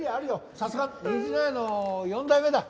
さすが虹の屋の４代目だ。